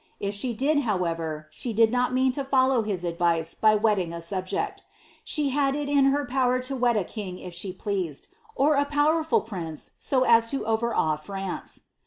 If she did, however, she did not mean to fol low his advice by wedding a subject; she had it in her power to wed a king if she pleased, or a powerful prince so as to over awe FrnKe."'